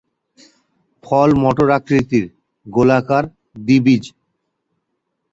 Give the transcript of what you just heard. ফল মটর আকৃতির, গোলাকার, দ্বিবীজ।